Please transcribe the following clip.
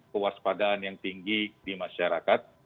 kewaspadaan yang tinggi di masyarakat